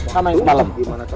kamu yang semalam